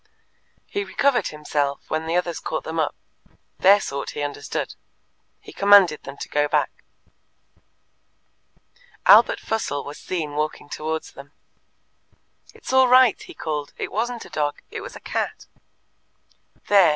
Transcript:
He recovered himself when the others caught them up: their sort he understood. He commanded them to go back. Albert Fussell was seen walking towards them. "It's all right!" he called. "It wasn't a dog, it was a cat." "There!"